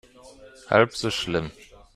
Halb so schlimm.